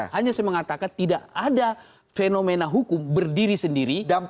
hanya saya mengatakan tidak ada fenomena hukum berdiri sendiri